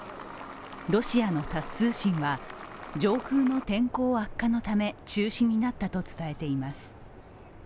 ロシアのタス通信は上空の天候悪化のため中止になったと伝えています。